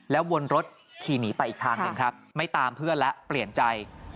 วนรถขี่หนีไปอีกทางหนึ่งครับไม่ตามเพื่อนแล้วเปลี่ยนใจ